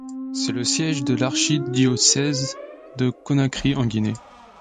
C'est le siège de l'archidiocèse de Conakry, en Guinée.